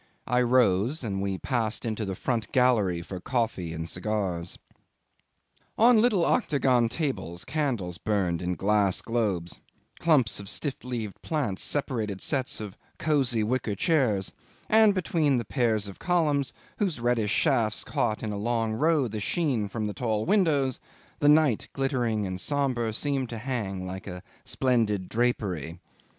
I rose, and we passed into the front gallery for coffee and cigars. 'On little octagon tables candles burned in glass globes; clumps of stiff leaved plants separated sets of cosy wicker chairs; and between the pairs of columns, whose reddish shafts caught in a long row the sheen from the tall windows, the night, glittering and sombre, seemed to hang like a splendid drapery.